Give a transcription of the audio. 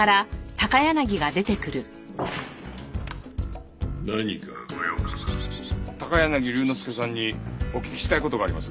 高柳龍之介さんにお聞きしたい事があります。